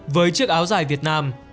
với chiếc áo dài việt nam